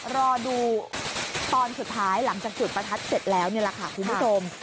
รอดูตอนสุดท้ายหลังจากจุดประทัดเสร็จแล้วนี่แหละค่ะคุณผู้ชม